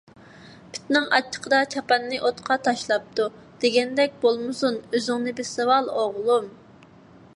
«پىتنىڭ ئاچچىقىدا چاپاننى ئوتقا تاشلاپتۇ» دېگەندەك بولمىسۇن، ئۆزۈڭنى بېسىۋال ئوغلۇم!